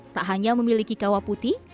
tak hanya memiliki kawah putih